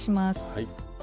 はい。